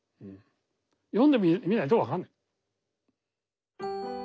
読んでみないと分かんない。